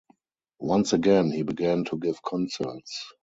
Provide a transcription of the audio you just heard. Once again he began to give concerts.